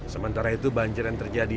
sementara itu banjir yang terjadi